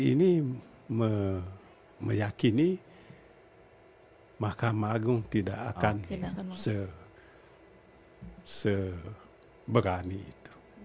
saya tidak meyakini mahkamah agung tidak akan seberani itu